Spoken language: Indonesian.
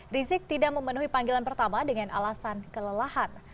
rizik tidak memenuhi panggilan pertama dengan alasan kelelahan